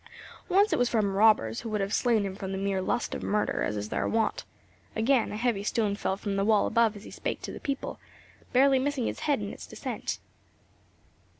"Once it was from robbers, who would have slain him from the mere lust of murder, as is their wont. Again, a heavy stone fell from the wall above as he spake to the people, barely missing his head in its descent."